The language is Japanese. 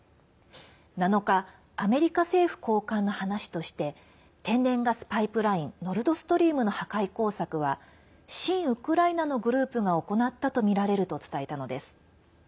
７日アメリカ政府高官の話として天然ガスパイプラインノルドストリームの破壊工作は親ウクライナのグループが行ったとみられると伝えたのです。